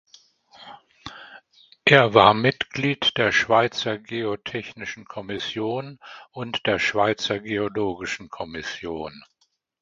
Er war Mitglied der Schweizer Geotechnischen Kommission und der Schweizer Geologischen Kommission.